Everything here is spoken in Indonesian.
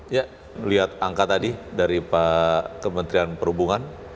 ya melihat angka tadi dari pak kementerian perhubungan